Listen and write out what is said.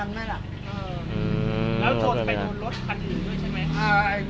แล้วชนไปโดนรถคันอื่นด้วยใช่ไหม